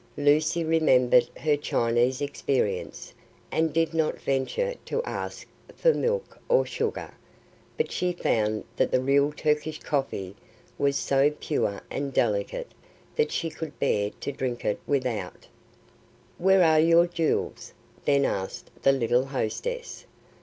Lucy remembered her Chinese experience, and did not venture to ask for milk or sugar, but she found that the real Turkish coffee was so pure and delicate that she could bear to drink it without. [Illustration: "Married! Oh, no, you are joking." Page 86.] "Where are your jewels?" then asked the little hostess.